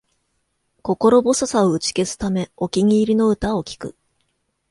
心細さを打ち消すため、お気に入りの歌を聴く